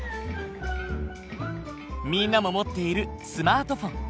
みんなも持っているスマートフォン。